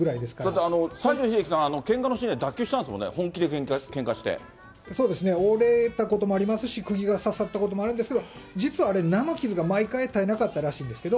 だって西城秀樹さん、けんかのシーンで脱臼したんですもんね、そうですね、折れたこともありますし、くぎが刺さったこともあるんですけれども、実は生傷で毎回絶えなかったらしいんですけど。